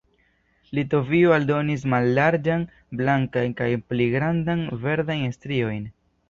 Litovio aldonis mallarĝan blankan kaj pli grandan verdan striojn.